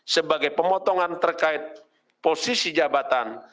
sebagai pemotongan terkait posisi jabatan